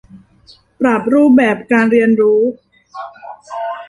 ปรับรูปแบบการเรียนรู้